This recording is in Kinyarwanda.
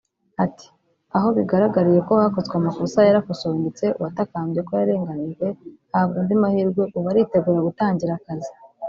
Ati "Aho bigaragariye ko hakozwe amakosa yarakosowe ndetse uwatakambye ko yarenganijwe ahabwa andi mahirwe ubu aritegura gutangira akazi